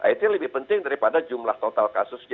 itu lebih penting daripada jumlah total kasus